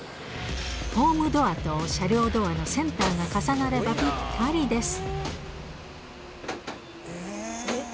ホームドアと車両ドアのセンターが重なればぴったりです。